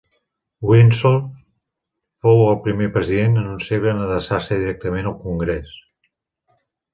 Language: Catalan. Wilson fou el primer president en un segle en adreçar-se directament al Congrés.